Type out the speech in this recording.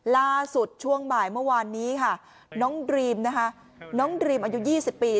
ล่าสุดช่วงบ่ายเมื่อวานนี้ค่ะน้องดรีมอายุ๒๐ปี